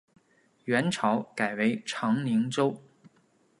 元朝改为长宁州。